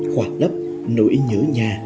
khỏa lấp nỗi nhớ nhà